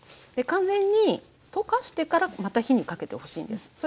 完全に溶かしてからまた火にかけてほしいんです。